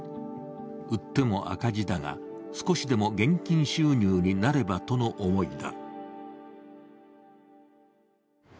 売っても赤字だが、少しでも現金収入になればとの思いだ。